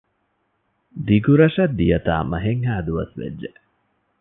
ދިގުރަށަށް ދިޔަތާ މަހެއްހައި ދުވަސް ވެއްޖެ